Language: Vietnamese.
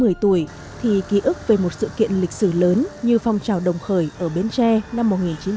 một mươi tuổi thì ký ức về một sự kiện lịch sử lớn như phong trào đồng khởi ở bến tre năm một nghìn chín trăm bảy mươi